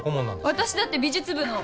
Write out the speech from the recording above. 私だって美術部の。